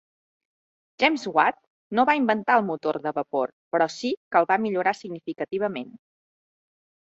James Watt no va inventar el motor de vapor, però sí que el va millorar significativament.